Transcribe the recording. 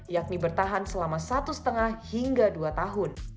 yakni bertahan selama satu lima hingga dua tahun